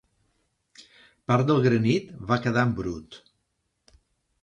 Part del granit va quedar en brut.